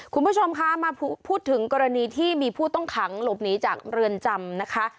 คุณผู้ชมคะมาพูดถึงกรณีที่มีผู้ต้องขังหลบหนีจากเรือนจำนะคะ